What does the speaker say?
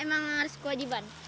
emang harus kewajiban